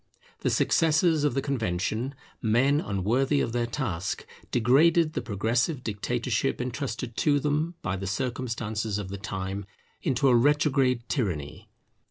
The successors of the Convention, men unworthy of their task, degraded the progressive dictatorship entrusted to them by the circumstances of the time into a retrograde tyranny.